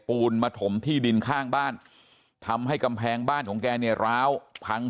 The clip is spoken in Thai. ปูนมาถมที่ดินข้างบ้านทำให้กำแพงบ้านของแกเนี่ยร้าวพัง